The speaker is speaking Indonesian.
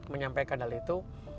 menyampaikan hal itu